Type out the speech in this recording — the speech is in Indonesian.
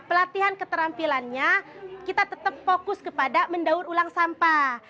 pelatihan keterampilannya kita tetap fokus kepada mendaur ulang sampah